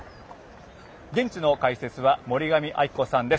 現地の解説は森上亜希子さんです。